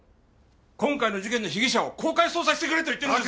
今回の事件の被疑者を公開捜査してくれと言ってるんです！